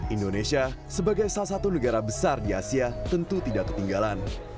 indonesia sebagai salah satu negara besar di asia tentu tidak ketinggalan